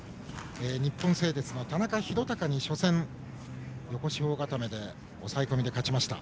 日本製鉄の田中大貴に初戦、横四方固め抑え込みで勝ちました。